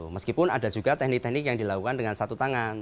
meskipun ada juga teknik teknik yang dilakukan dengan satu tangan